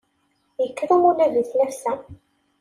Ikker umulab i tlafsa.